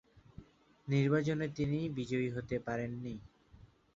নির্বাচনে তিনি বিজয়ী হতে পারেন নি।